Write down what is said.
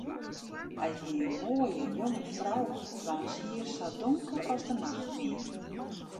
Hy hie in moaie, jonge frou waans hier sa donker as de nacht wie.